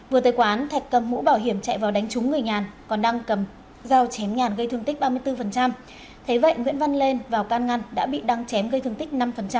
vừa tới quán thạch cầm mũ bảo hiểm chạy vào đánh trúng người nhàn còn đăng cầm dao chém nhàn gây thương tích ba mươi bốn thế vậy nguyễn văn lên vào can ngăn đã bị đăng chém gây thương tích năm